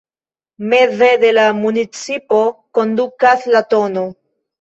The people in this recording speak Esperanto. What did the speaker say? Meze de la municipo kondukas la tn.